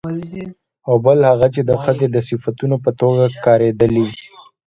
او بل هغه چې د ښځې د صفتونو په توګه کارېدلي